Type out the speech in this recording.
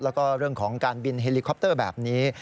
แล้วก็เรื่องของการบินเฮลิคอปเตอร์แบบนี้